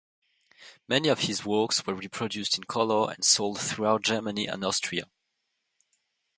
Many of his works were reproduced in color and sold throughout Germany and Austria.